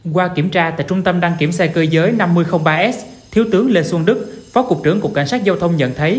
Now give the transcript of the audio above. qua kiểm tra tại trung tâm đăng kiểm xe cơ giới năm nghìn ba s thiếu tướng lê xuân đức phó cục trưởng cục cảnh sát giao thông nhận thấy